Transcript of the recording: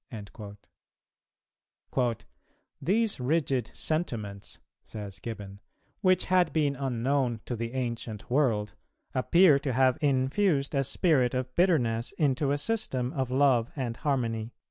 "[268:1] "These rigid sentiments," says Gibbon, "which had been unknown to the ancient world, appear to have infused a spirit of bitterness into a system of love and harmony."